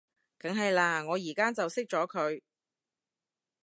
梗係喇，我而家就熄咗佢